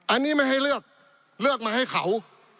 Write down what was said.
อันนี้ไม่ให้เลือกเลือกมาให้เขา